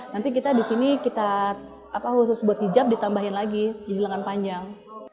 nanti kita di sini kita khusus buat hijab ditambahin lagi jadi lengan panjang